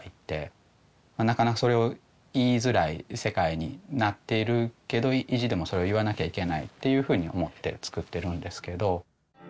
なかなかそれを言いづらい世界になっているけど意地でもそれを言わなきゃいけないっていうふうに思って作ってるんですけど。